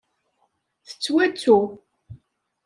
Tettwattu.